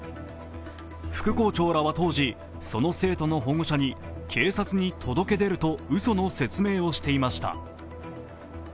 副校長らは当時、その生徒の保護者に警察に届け出るとうその説明をしていました。